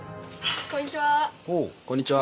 こんにちは。